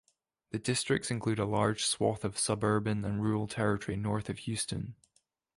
The district includes a large swath of suburban and rural territory north of Houston.